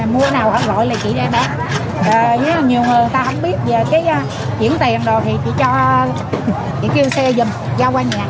mua nào gọi là chị đây bán